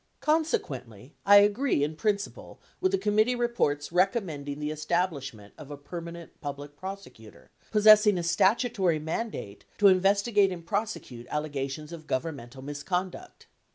Consequently, I agree in principle with the committee report's recommending the establishment of a permanent Public Prosecutor, possessing a statutory mandate to investigate and prosecute allegations of governmental misconduct.